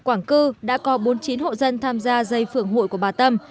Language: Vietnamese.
trong địa bàn phường quảng cư đã có bốn mươi chín hộ dân tham gia dây phưởng hội của bà tâm